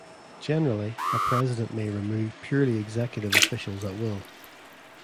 Generally, a president may remove purely executive officials at will.